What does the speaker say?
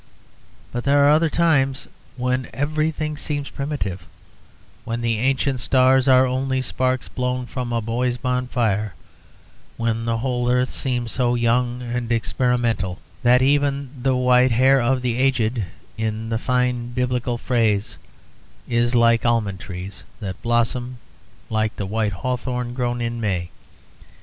But there are other times when everything seems primitive, when the ancient stars are only sparks blown from a boy's bonfire, when the whole earth seems so young and experimental that even the white hair of the aged, in the fine biblical phrase, is like almond trees that blossom, like the white hawthorn grown in May.